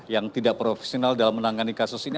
yang tidak profesional dalam menangani kasus ini